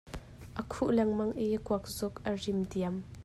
A khuh lengmang i kuak zuk a rim diam.